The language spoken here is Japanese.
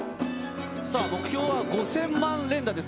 目標は５０００万連打です。